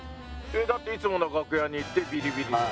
だっていつもの楽屋に行ってビリビリでしょ？